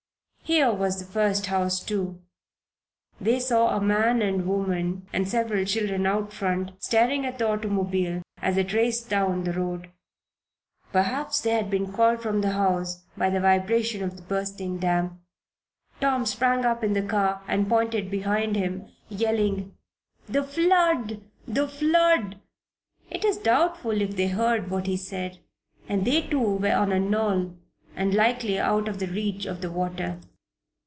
Here was the first house, too. They saw a man and woman and several children out front, staring at the automobile as it raced down the road. Perhaps they had been called from the house by the vibration of the bursting dam. Tom sprang up in the car and pointed behind him, yelling: "The flood! The flood!" It is doubtful if they heard what he said; and they, too, were on a knoll and likely out of the reach of the water.